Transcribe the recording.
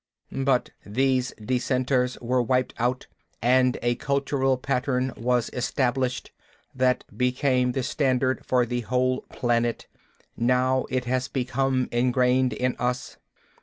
"But these dissenters were wiped out, and a cultural pattern was established that became the standard for the whole planet. Now it has become ingrained in us.